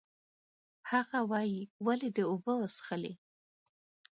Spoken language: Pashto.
هغه وایي، ولې دې اوبه وڅښلې؟